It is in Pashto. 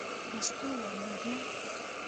مستو وویل: نو بیا.